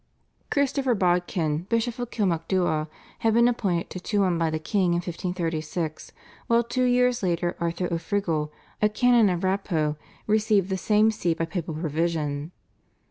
Christopher Bodkin, Bishop of Kilmacduagh, had been appointed to Tuam by the king in 1536, while two years later Arthur O'Frigil, a canon of Raphoe, received the same See by papal provision.